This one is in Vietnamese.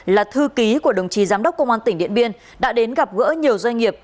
là thư ký của đồng chí giám đốc công an tỉnh điện biên đã đến gặp gỡ nhiều doanh nghiệp